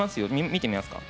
見てみますか？